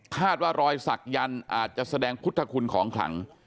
คาดว่ารอยศักยันต์อาจจะแสดงพุทธคุณของขลัง